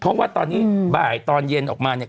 เพราะว่าตอนนี้บ่ายตอนเย็นออกมาเนี่ย